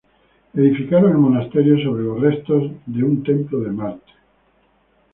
Edificaron el monasterio sobre los restos un templo de Marte.